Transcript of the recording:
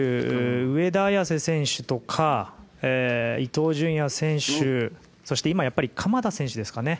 上田綺世選手とか伊東純也選手そして今はやっぱり鎌田選手ですかね。